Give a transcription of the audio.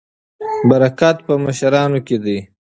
برکت په مشرانو کې دی.